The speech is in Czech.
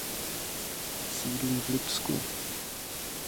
Sídlí v Lipsku.